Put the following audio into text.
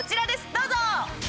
どうぞ！